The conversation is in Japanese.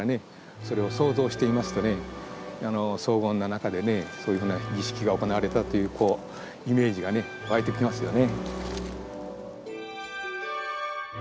それを想像していますとね荘厳な中でそういうふうな儀式が行われたというイメージが湧いてきますよね。